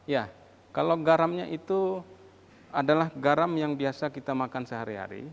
ya kalau garamnya itu adalah garam yang biasa kita makan sehari hari